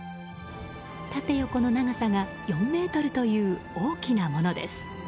縦横の長さが４ｍという大きなものです。